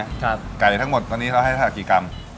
ไก่ทั้งหมดตอนนี้เราให้๕กี่กรัม